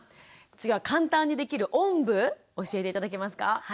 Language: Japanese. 次は簡単にできるおんぶ教えて頂けますか？